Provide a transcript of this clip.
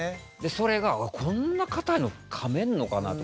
それがこんな硬いのかめるのかなとか。